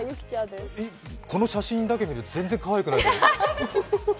この写真だけ見ると全然かわいくない。